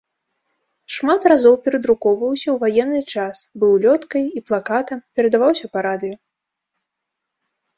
Шмат разоў перадрукоўваўся ў ваенны час, быў улёткай і плакатам, перадаваўся па радыё.